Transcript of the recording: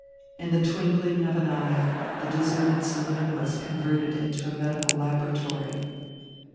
In the twinkling of an eye the deserted saloon was converted into a medical laboratory.